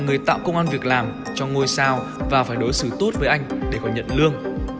người tạo công an việc làm cho ngôi sao và phải đối xử tốt với anh để có nhận lương